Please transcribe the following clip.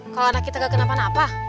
kalau anak kita gak kenapa napa